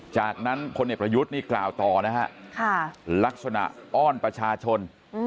จากนั้นพลเอกประยุทธ์นี่กล่าวต่อนะฮะลักษณะอ้อนประชาชน